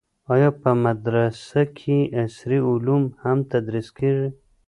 آیا په دې مدرسه کې عصري علوم هم تدریس کیږي؟